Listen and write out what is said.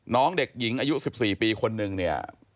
น้องเด็กหญิงอายุ๑๔ปีคนนึงเนี่ย